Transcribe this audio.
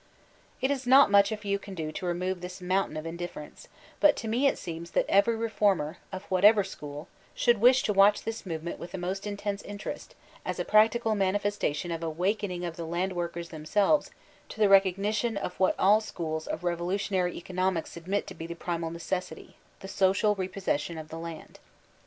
It is not much a few can do to remove this mountain of indiflPerence ; but to me it seems that every reformer, of whatever school, should wish to watch this mov eme n t with the most intense interest, as a practical manifesta tion of a wakening of the landworkers themselves to the recognition of what all schools of revolutionary eco nomics admit to be the primal necessity — the social repoa session of the land.